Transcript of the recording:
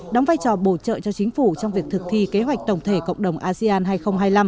đóng vai trò bổ trợ cho chính phủ trong việc thực thi kế hoạch tổng thể cộng đồng asean hai nghìn hai mươi năm